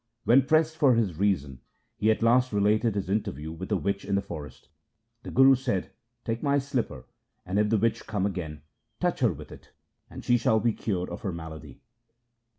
When pressed for his reason, he at last related his interview with a witch in the forest. The Guru said, ' Take my slipper, and if the witch come again, touch her with it, and she shall be cured of her malady.'